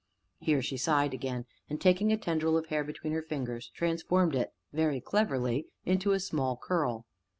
Here she sighed again, and, taking a tendril of hair between her fingers, transformed it, very cleverly, into a small curl.